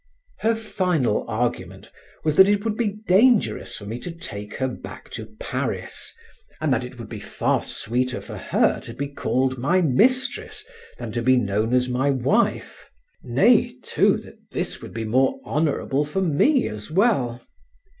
'" Her final argument was that it would be dangerous for me to take her back to Paris, and that it would be far sweeter for her to be called my mistress than to be known as my wife; nay, too, that this would be more honourable for me as well.